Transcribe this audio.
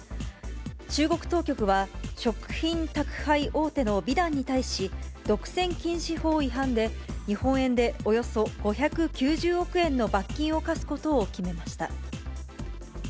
中国当局は、食品宅配大手の美団に対し、独占禁止法違反で、日本円でおよそ５９０億円の罰金を科すことを決めました。